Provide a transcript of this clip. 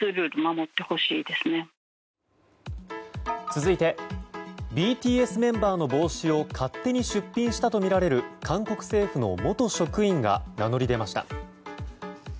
続いてＢＴＳメンバーの帽子を勝手に出品したとみられる韓国政府の元職員が名乗り出ました。